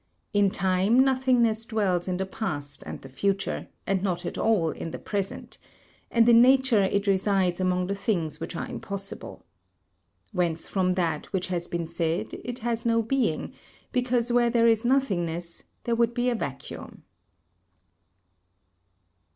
In time nothingness dwells in the past and the future, and not at all in the present, and in nature it resides among the things which are impossible. Whence from that which has been said, it has no being, because where there is nothingness there would be a vacuum.